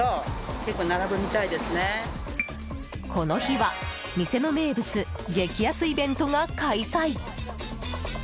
この日は店の名物、激安イベントが開催！